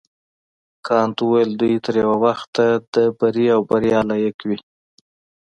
کانت وویل دوی تر یو وخته د بري او بریا لایق وي.